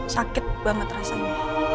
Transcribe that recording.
sakit banget rasanya